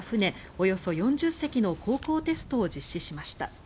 およそ４０隻の航行テストを実施しました。